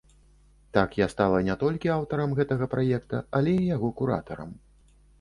Так я стала не толькі аўтарам гэтага праекта, але і яго куратарам.